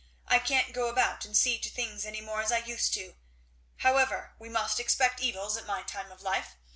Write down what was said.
I can't go about and see to things any more as I used to. However we must expect evils at my time of life.